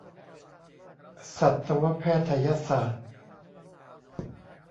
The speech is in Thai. สัตวแพทยศาสตร์